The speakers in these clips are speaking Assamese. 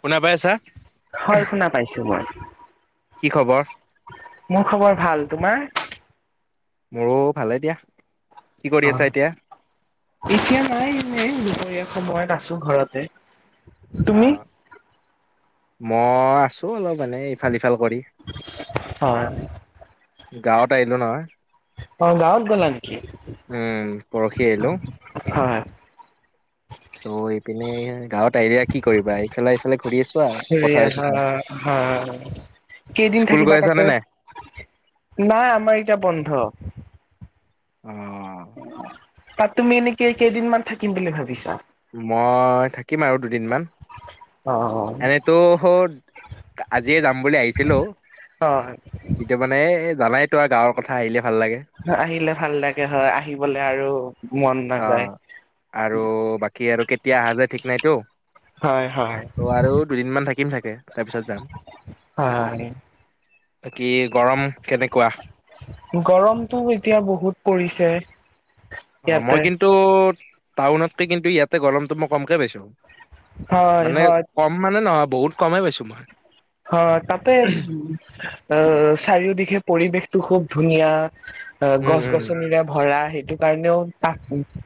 শুনা পাই আছা? হয় শুনা পাইছো মই। কি খবৰ? মোৰ খবৰ ভাল তোমাৰ? মোৰো ভালে দিয়া। কি কৰি আছা অ', এতিয়া? এতিয়া নাই এ সময়ত আছো ঘৰতে। তুমি অ', মই আছো অলপ মানে ইফাল সিফাল কৰি, হয় গাঁৱত আহিলো নহয়। অ গাঁৱত গ'লা নেকি উম পৰহি আহিলোঁ। হয় ত' এইপিনে গাঁৱত ডাইৰেক্ট কি কৰিবা এইফালে এইফালে ঘূৰি আছো আৰু পথাৰে চথাৰে। কেইদিন স্কুল গৈ থাকিবা আছা নে তাতেদ, নাই? নাই আমাৰ ইতিয়া বন্ধ। অ'। তাত তুমি এনেকে কেইদিনমান থাকিম বুলি ভাবিছা? মই থাকিম আৰু দুদিনমান অ এনেইতো হ' আজিয়ে যাম বুলি আহিছিলো হয় কিন্তু মানে জানাই তো আৰু গাঁৱৰ কথা আহিলে ভাল লাগে। আহিলে ভাল লাগে হয় আহিব'লে আৰু মন নাযায়। অ', আৰু বাকী আৰু কেতিয়া আহা যায় ঠিক নাইতো, হয় হয় আৰু দুদিনমান থাকিম থাকে। তাৰপিছত যাম। হয় বাকী গৰম কেনেকুৱা? গৰমটো এতিয়া বহুত পৰিছে অ', মই ইয়াতে কিন্তু টাউনতকে কিন্তু ইয়াতে গৰমটো মই কমকে পাইছো। হয় মানে হয় কম মানে নহয় বহুত কমে পাইছো মই। অ', তাতে অ', চাৰিওদিশে পৰিৱেশটো খুব ধুনীয়া অ', উম গছ উম গছনিৰে ভৰা সেইটো কাৰণেও তাত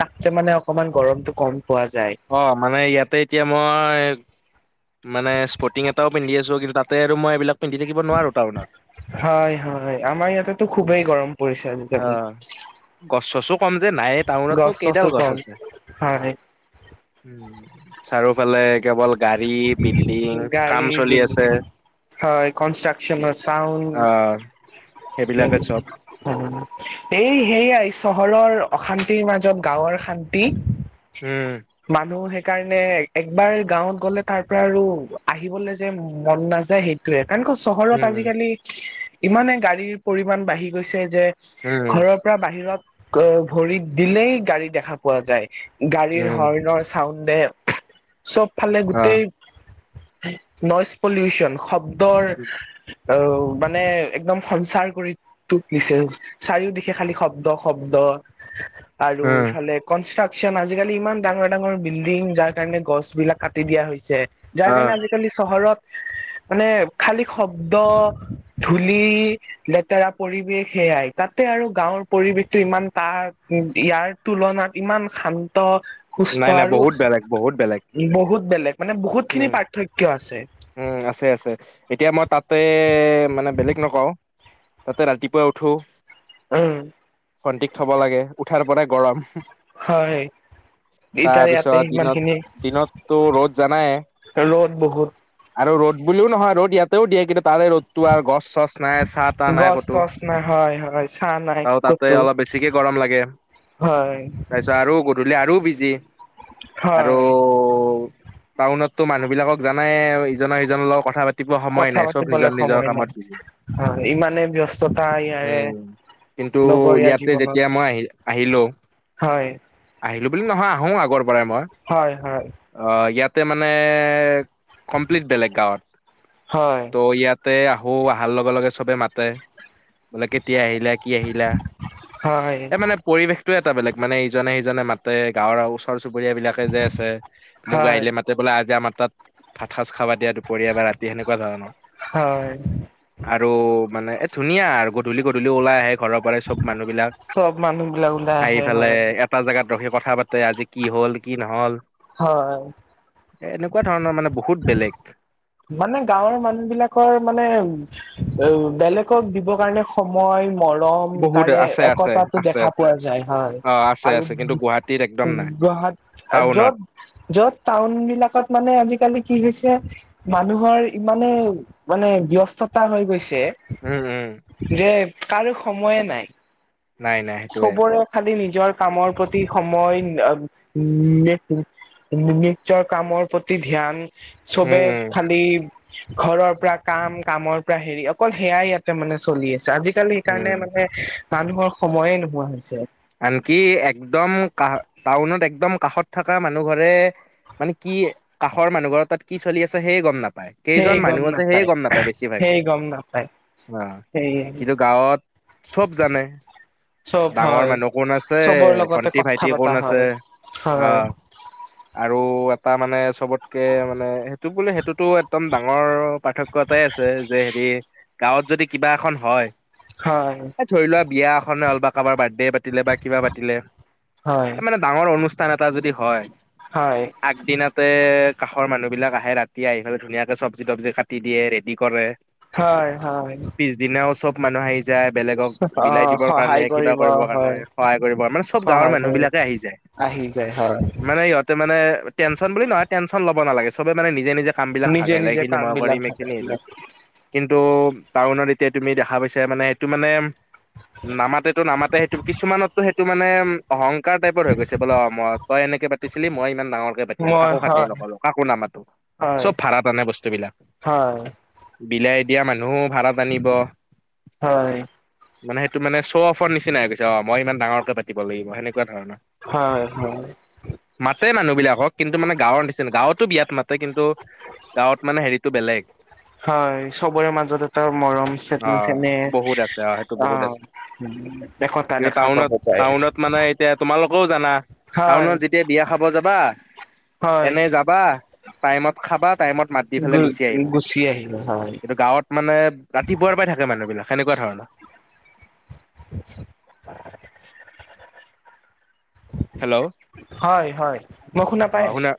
তাতকে মানে অকমান গৰমতটো কম। পোৱা যায়। অ', মানে ইয়াতে এতিয়া মই মানে স্পৰ্টিং এটাও পিন্ধি আছো কিন্তু তাতে আৰু মই এইবিলাক পিন্ধি থাকিব নোৱাৰো টাউনত। হয় হয় আমাৰ ইয়াতেতো খুবেই গৰম। পৰিচয় অ বিপি [unintelligible] গছ চছো ক'ম যে, নাইয়ে টাউননো কেইডাল চছো গছ কম। আছে? হয়, উম, চাৰিওফালে কেৱল। গাড়ী, বিল্ডিং কাম গাড়ী চলি আছে। বিল্ডিং হয়, কনষ্ট্ৰাচন অ চাউড সেইবিলাকে চব [unintelligible] এই হেয়াই, চহৰৰ অশান্তিৰ মাজত গাঁৱৰ শান্তি। উম। মানুহ সেইকাৰণে একবাৰ গাঁৱত গ'লে তাৰ পৰা আৰু আহিবলে যে মন নাযায় সেইটোৱে। এনেকা চহৰত উম আজিকালি ইমানে গাড়ীৰ পৰিমান বাঢ়ি গৈছে যে, উম উম ঘৰৰ পৰা বাহিৰত, গৈ ভৰিত দিলেই গাড়ী দেখা পোৱা যায়। গাড়ীৰ উম হৰ্ণৰ চাউণ্ডে চব ফালে অ গোটেই নইজ পলিউচন শব্দৰ অ মানে একদম সঞ্চাৰ কৰি তুলিছে চাৰিও দিশে খালি শব্দ শব্দ। অ আৰু উম এইফালে কনষ্ট্ৰাক চন আজিকালি ইমান ডাঙৰ ডাঙৰ বিল্ডিং যাৰ কাৰণে গছ বিলাক কাটি দিয়া হৈছে। যাৰ অ কাৰণে আজিকালি চহৰত মানে খালি শব্দ ধূলি, লেতেৰা পৰিৱেশ সেয়াই তাতে আৰু গাঁৱৰ পৰিৱেশতটো ইমান তাৰ ইয়াৰ তুলনাত ইমান শান্ত নাই সুস্থ নাই আৰু বহুত বেলেগ বহুত বেলেগ বহুত বেলেগ মানে বহুত খিনি উম পাৰ্থক্য আৰু উম আছে আছে এতিয়া মই তাতে মানে বেলেগ নকওঁ। তাতে ৰাতিপুৱা উঠোঁ। উম ভণ্টিক থব লাগে উঠাৰ পৰাই গৰম। হয়। এতিয়া ইয়াতে তাৰপিছত সিমান দিনত খিনি দিনততো ৰ'দ জানাই? ৰ'দ বহুত আৰু ৰ'দ বুলিও নহয় ৰ'দ ইয়াতেও দিয়ে কিন্তু তাৰে ৰ'দতটো আৰু গছ চছ নাই চাহ তাহ নাই গছ ক'তো তছ নাই হয় হয় চাহ নাই আৰু তাতে ক'তো অলপ বে বেছিকে গৰম লাগে হয় তাৰপিছত আৰু গধূলি আৰু বিজি আৰু হয়। টাউনততো মানুহ বিলাকক জানাই ইজনৰ-সিজনৰ লগত কথা পাতিব সময় নাই, চব নিজৰ নিজৰ কামত বিজি। অ ইমানে ব্যস্ততা ইয়াৰে। উম, কিন্তু, লগৰীয়া ইয়াতে জীৱনত যেতিয়া মই আহি, আহিলোঁ। হয়! বুলি নহয়, আহোঁ আগৰ পৰাই মই। হয় হয় অ'! ইয়াতে মানে, কমপ্লিট বেলেগ গাঁৱত। হয় ত' ইয়াত তে আহোঁ, আহাৰ লগে-লগে চবে মাতে। মানে, কেতিয়া আহিলা? কি আহিলা? হয় এই মানে, পৰিৱেশ টোৱে এটা বেলেগ মানে। ইজনে-সিজনে মাতে, গাঁৱৰ ওচৰ-চুবু বুুৰীয়া বিলাকে যে আছে। মোক হয় আহিলে মাতে বোলে, আজি আমাৰ তাত, ভাত-সাঁজ খাবা। এতিয়া, দুপৰীয়া বা ৰাতি সেনেকুৱা ধৰণৰ। হয় আৰু মানে, এ, ধুনীয়া আৰু! গধূলি-গধূলি ওলাই আহে, ঘৰৰ পৰাই চব মানুহ বিলাক। চব মানুহ বিলাক ওলাই আহি আহে পেলে, হয় এটা জেগাত ৰখি কথা পাতে, আজি কি হ'ল, কি নহ'ল। হয়! এনেকুৱা ধৰণৰ মানে, বহুত বেলেগ। মানে, গাঁৱৰ মানুহবিলাকৰ মানে, বেলেগক দিবৰ কাৰণে সময় মৰম, বহুত তাৰে আছে আছে একতাটো আছে দেখা আছে পোৱা যায়। হয়! অ আছে আৰু আছে কিন্তু গুৱাহাটীত একদম নাই গুৱাহাট, টাউনত য'ত-য'ত টাউন বিলাকত মানে, আজিকালি কি হৈছে, মানুহৰ ইমানে মানে, ব্যস্ততা হৈ গৈছে, উম উম [unintelligible] যে, কাৰোঁ সময়ে নাই। নাই নাই সেইটোৱে চবৰে খালি নি নিজৰ কামৰ প্ৰতি, সময় [unintelligible] নিজৰ কামৰ প্ৰতি ধ্যান উম, চবে উম। [unintelligible] ঘৰৰ পৰা কাম, কামৰ পৰা সেৰি, অকল সেয়াই ইয়াতে মানে, চলি আছে। আজি কালি সেইকাৰণে উম মানে মানুহৰ সময়ে নোহোৱা হৈছে। আনকি একদম ক টাউনত একদম কাষত থকা মানুহ ঘৰে মানে কি কাষৰ মানুহ ঘৰ তাত কি চলি আছে সেয়ে গম নাপ কেইজন সেই গম মানুহ আছে সেয়ে গম নাপায় বেছিভাগে। গম নাপায় অ সেই কিন্তু গাঁৱত চব জানে। চব ডাঙৰ হয়। মানুহ কোন আছে চবৰ লগতে ভন্টি কথা ভাইটি কোন পতা আছে হয় হয় অহ আৰু এটা মানে চবতকে মানে সেইটো বোলো সেইটোতো একদম ডাঙৰ পাৰ্থক্য এটাই আছে যে হেৰি গাঁৱত যদি কিবা এখন হয় হয় এ ধৰি লোৱা বিয়া এখনে হল বা কাৰোবাৰ বাৰ্থডে পাতিলে বা কিবা পাতিলে হয় মানে ডাঙৰ অনুষ্ঠান এটা যদি হয় হয় আগদিনাতে কাষৰ মানুহবিলাক আহে ৰাতি আহি পেলাই ধুনীয়াকৈ চব্জি তব্জি কাটি দিয়ে ৰেডি কৰে। হয় হয়। পিছদিনাও চব মানুহ আহি যায় বেলেগক অ বিলাই দিবৰ কাৰণে সহায় কিবা কৰিব কৰিবৰ কাৰ ণে হয় সহায় কৰিব মানে চব গাঁৱৰ সহায় মানুহ কৰিব বিলাকে আহি যায়। আহি যায় হয় মানে ইহঁতে মানে টেনচন বুলি নহয়, টেনচন ল'ব নালাগে, চবে মানে নিজে নিজে কাম বিলাক নিজে ভাগাই নিজে লাইখিনি কাম মই কৰিম এইখিনি এৰি বিলাক কিন্তু টাউনত এতিয়া তুমি দেখা পাইছা মানে সেইটো মানে নামাতেটো নামাতে সেইটো টাউনত সেইটো মানে অহং কাৰ টাইপৰ হৈ গৈছে বোলে অ' মই তই এনেকে পাতিছিলি, মই ইমান ডাঙৰকে পাতিম, মই কাকো খাটিৰ হয় নকৰোঁ, কাকো নামাটো হয় চব ভাড়াত আনে বস্তু বিলাক হয় বিলাই দিয়া মানুহো ভাড়াত আনিব হয়। মানে সেইটো মানে চ'অফৰ নিচিনাই হৈ গৈছে অ' মই ইমান ডাঙৰকে পাতিব লাগিব সেনে কুৱা ধৰণৰ হয় হয় মাতে মানুহ বিলাকক কিন্তু মানে গাঁৱৰ নিচিনা গাঁৱত টো বিয়াত মাতে কিন্তু গাঁৱত মানে হেৰিটো বেলেগ। হয় চবৰে মাজত এটা মৰম অ চে- চেনেহ বহুত আছে অ সেইটো বহুত অঁ। আছে কিন্তু টাউনত টাউনত মানে এতিয়া তোমালোকেও জানা হয় টাউনত যেতিয়া বিয়া খাব যাবা হয় এনে যাবা টাইমত খাবা টাইমত মাত দি গু পেলাই গুছি আহিবা। গুচি আহিব হয় এইটো গাঁৱত মানে ৰাতিপুৱাৰ পৰাই থাকে মানুহবিলাক সেনেকুৱা ধৰণৰ। [inaudible] হেল্ল' হয়, হয়, মই শুনা পাই আছোঁ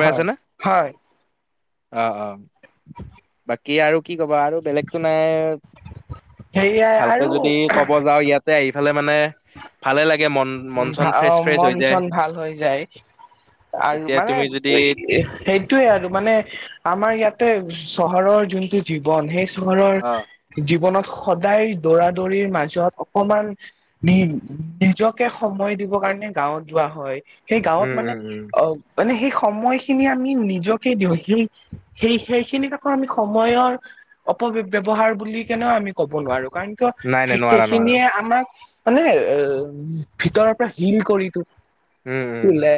হয়, হয়। আহ আহ। কি আৰু কি কবা আৰু বেলেগতো নাই সেয়াই ভালকে আৰু যদি ক'ব যাও ইয়াতে হ'লে মানে ভালে লাগে মন মন চন। ফ্ৰেছ অহ ফ্ৰেছ মন হৈ যায় চন ভাল হৈ যায়। আৰু এতিয়া মানে তুমি যদি সেইটোয়ে আৰু মানে আমাৰ ইয়াতে চহৰৰ যোনটো জীৱন সেই চহৰৰ অ জীৱনত সদায় দৌৰা দৌৰিৰ মাজত অকমান নি নিজক কে সময় দিব কাৰণে গাঁৱত যোৱা হয়। সেই গাঁৱত উম মানে উম উম অহ মানে সেই সময় খিনি আমি নিজকে দিওঁ সেই সেই সেইখিনিত আকৌ আমি সময়ৰ ব্যৱহাৰ বুলি কেনেও আমি ক'ব নোৱাৰো। কাৰণ কিয় নাই নাই নোৱাৰা নোৱাৰা সেইখিনিয়ে আমাক মানে অ' ভিতৰৰ পৰা হিল কৰি উম উম তোলে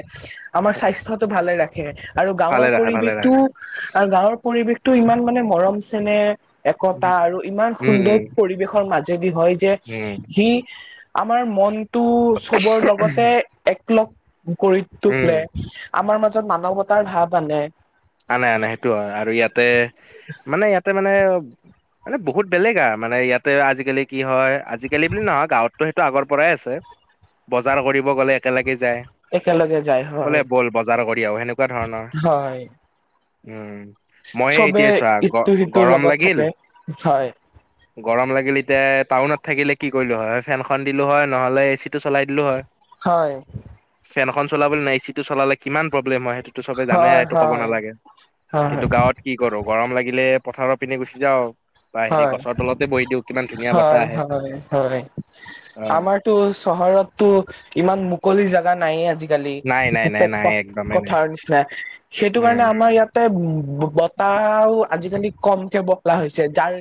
আমাৰ স্বাস্থ্যটো ভালে ৰাখে। আৰু গাঁৱৰ ভালে ৰাখে ভালে পৰিৱেশটো ৰাখে আৰু গাঁৱৰ পৰিৱেশটো ইমান মানে মৰম চেনেহ একতা আৰু ইমান উম উম সুন্দৰ পৰিৱেশৰ মাজেদি হয় যে উম সি আমাৰ মনটো চবৰ লগতে একলগ কৰি উম তোলে। আমাৰ মাজত মানৱতাৰ ভাৱ আনে। আনে আনে সেইটো হয় আৰু ইয়াতে মানে ইয়াতে মানে মানে বহুত বেলেগ আৰু মানে ইয়াতে আজিকালি কি হয় আজিকালি বুলি নহয় গাঁৱততো সেইটো আগৰ পৰাই আছে। বজাৰ কৰিব গ'লে একেলগে যাই একেলগে যায় বোলে হয় ব'ল বজাৰ কৰিও সেনেকুৱা ধৰণৰ। হয় উম ময়ে চবে এতিয় চোৱা গ ইটো সিটোৰ গৰম লগত লাগিল। থাকে হয় গৰম লাগিল এতিয়া টাউনত থাকিলে কি কৰিলোঁ হয় ফেনখন দিলোঁ হয় নহ'লে এ চি টো চলাই দিলোঁ হয়। হয়। ফেনখন চলাবলৈ নাই এ চি চলালে কিমান প্ৰব্লেম হয় সেইটো‌ টো চবে জানাই হয় সেটো ক'ব হয় নালাগে। হয় কিন্তু গাঁৱত কি কৰো গৰম লাগিলে পথাৰৰ পিনে গুচি যাওঁ। ত হেৰি হয় গছৰ তলতে বৈ দি উ কিমান ধুনীয়া বতাহ হয় আহে হয় হয় অ আমাৰতো চহৰতটো ইমান মুকলি জাগা ন আজিকালি নাই নাই নাই নাই একদমেই [inaudible] নাই। নি সেইটো কাৰ উম আমাৰ ই বতাহও আজিকালি কমকে বলাহ হৈছে যাৰ।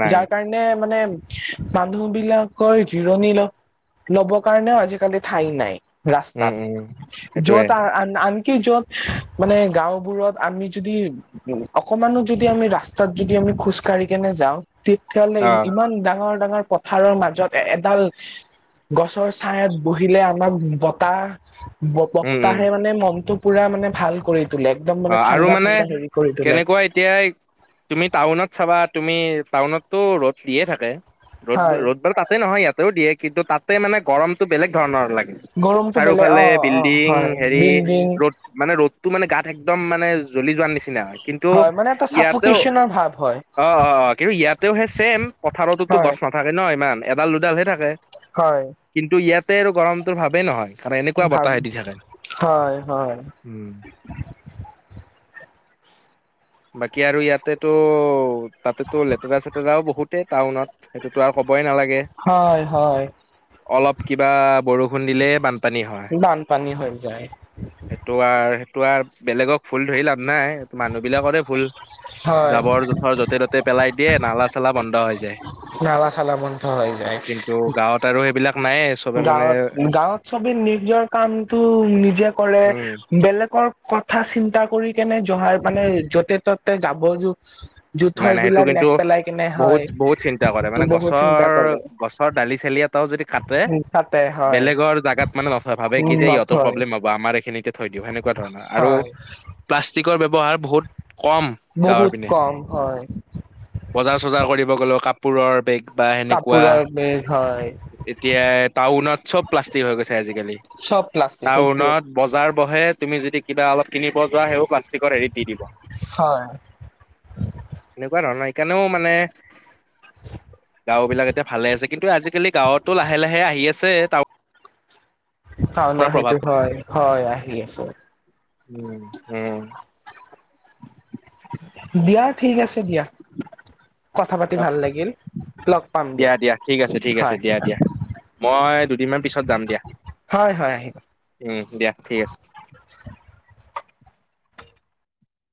নাই যাৰ কাৰণে মানে মানুহ বিলাকৰ জিৰণি ল ল'ব কাৰণেও আজিকালি ঠাই নাই। উম ৰাস্তাত উম সেইটোৱে যত আনকি য'ত মানে গাঁওবোৰত আমি যদি উ অকমানো যদি আমি ৰাস্তাত যদি আমি খোজকাঢ়ি কেনে যাওঁ তেতিয়াহলে অ ইমান ডাঙৰ-ডাঙৰ পথাৰৰ মাজত এডাল গছৰ ছাইাত বহিলে আমাক বতাহ উম উম বপ্তাহে মানে মনতটো পুৰা মানে ভাল কৰি তোলে একদম অ মানে আৰু ঠাণ্ডা মানে ঠাণ্ডা হেৰি কৰি তোলে। কেনেকুৱা এতিয়া তুমি টাউনত চাবা। তুমি টাউনতো ৰ'দ দিয়ে থাকে ৰ'দ হয় ৰ'দবাৰ তাতে নহয় ইয়াতেও দিয়ে কিন্তু তাতে মানে গৰমতটো বেলেগ ধৰণৰ লাগে। গৰমটো বেলেগ অ চাৰিওফালে অ বিল্ডিং হয় হেৰি বিল্ডিং ৰ'দ মানে ৰ'দ। টো মানে গাত একদম মানে জ্বলি যোৱাৰ নিচিনা হয় কিন্তু মানে এটা ইয়াতে অ, চাফকেচনৰ ভাৱ হয় অ, অ কিন্তু ইয়াতেও হে চছেম পথাৰতোতো হয় গছ নাথাকে ন ইমান এডাল দুডালহে থাকে হয় কিন্তু ইয়াতে আৰু গৰমটো ভাৱেই নহয় কাৰণে এনেকুৱা ভাব বতাহে দি থাকে হয় হয় উম। বাকী আৰু ইয়াতেতো তাতেতো লেতেৰা চেতেৰাও বহুতে টাউনত সেইটোতো আৰু ক'বই নালাগে। হয়-হয় অলপ কিবা বৰষুণ দিলেই বানপানী হয় বানপানী হৈ যায় সেইটো আৰু সেইটো আৰু বেলেগক ফুল ধৰি লাভ নাই মানুহ বিলাকৰে ভুল। হয় জাবৰ জোথৰ যতে ত'তে পেলাই দিয়ে নালা চালা বন্ধ হৈ যায়। নালা চালা বন্ধ হৈ যায়। কিন্তু গাঁৱত আৰু সেইবিলাক নাইয়ে চবে মানে গাঁৱত গাঁৱত সবেই নিজৰ কামতটো নিজে কৰে উম বেলেগৰ। কথা চিন্তা কৰি কেনে জহাই মানে যতে ত'তে যাব য নাই নাই সেইটো কিন্তু বহুত বহুত চিন্তা কৰে মানে বহুত গছৰ চিন্তা কৰে গছৰ দালি চালিয়াত। ও যদি কাটে তাতে হয় বেলেগৰ জোগাত মানে নয় ভাবে কি যে ইহতৰ নথয় প্ৰব্লেম হ'ব আমাৰ এইখিনি তে থৈ দিওঁ সেনেকুৱা ধৰণৰ আৰু হয় প্লাষ্টিকৰ ব্যৱহাৰ বহুত কম গাঁৱৰ বহুত পিনে। কম হয় বজাৰ চজাৰ কৰিব গলেো কাপোৰৰ বেগ বা সেনেকুৱা কাপোৰ বেগ হয় এতিয়া টাউনত চব প্লাষ্টিক হৈ গৈছে আজিকালি চব প্লাষ্টিক সেইটোৱে টাউনত বজাৰ বহে তুমি যদি কিবা অলপ কিনিব যোৱা সেও প্লাষ্টিকৰ হেৰিত দি দিব। হয় এনেকুৱা ধৰণৰ সকাৰণেও মানে গাঁও বিলাক এতিয়া ভালে আছে কিন্তু আজিকালি গাঁৱতো লাহে লাহে আহি আছে ত টাউনৰ সেইটো হয় হয় আহি আছো। উম-উম। দিয়া ঠিক আছে দিয়া। কথা পাতি অ ভাল লাগিল লগ পাম দিয়া ঠিক আছে ঠিক আছে হয়। দিয়া দিয়া মই দুদিনমান পিছত যাম দিয়া, হয় হয় আহিবা উম দিয়া, ঠিক আছে। [unintelligible]